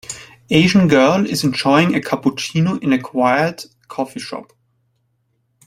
Asian girl is enjoying a cappuccino in a quiet coffee shop